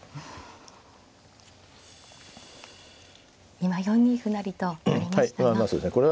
今４二歩成と成りましたが。